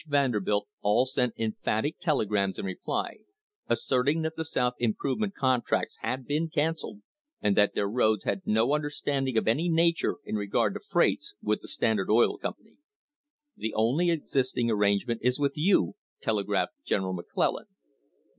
Vanderbilt all sent emphatic telegrams in reply, assert ing that the South Improvement contracts had been cancelled and that their roads had no understanding of any nature in regard to freights with the Standard Oil Company. "The only existing arrangement is with you," telegraphed General McClellan.